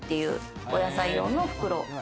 お野菜用の袋。